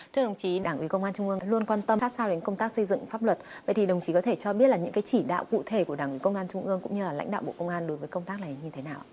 thưa đồng chí đảng ủy công an trung ương luôn quan tâm sát sao đến công tác xây dựng pháp luật vậy thì đồng chí có thể cho biết là những cái chỉ đạo cụ thể của đảng ủy công an trung ương cũng như là lãnh đạo bộ công an đối với công tác này như thế nào